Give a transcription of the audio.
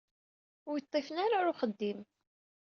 Ur yi-ṭṭifen ara ɣer uxeddim.